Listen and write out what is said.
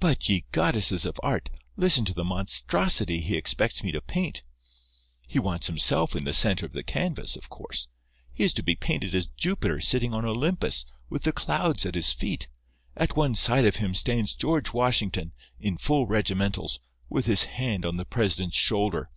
But, ye goddesses of Art! listen to the monstrosity he expects me to paint. He wants himself in the centre of the canvas, of course. He is to be painted as Jupiter sitting on Olympus, with the clouds at his feet. At one side of him stands George Washington, in full regimentals, with his hand on the president's shoulder.